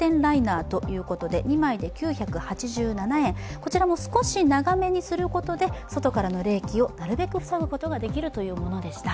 こちらも少し長めにすることで、外からの冷気をなるべく防ぐことができるというものでした。